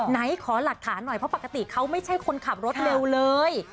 ไหนขอหลักฐานหน่อยเพราะปกติเขาไม่ใช่คนขับรถเร็วเลย